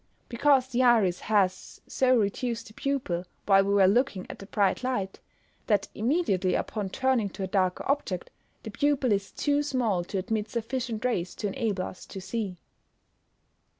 _ Because the iris has so reduced the pupil while we were looking at the bright light, that immediately upon turning to a darker object, the pupil is too small to admit sufficient rays to enable us to see.